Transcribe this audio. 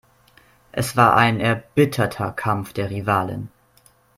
Es war ein erbitterter Kampf der Rivalen.